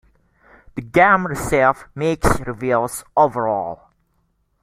The game received mixed reviews overall.